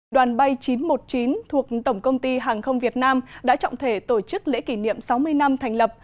đoàn bay chín trăm một mươi chín thuộc tổng công ty hàng không việt nam đã trọng thể tổ chức lễ kỷ niệm sáu mươi năm thành lập